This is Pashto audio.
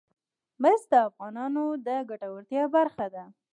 مس د افغانانو د ګټورتیا برخه ده.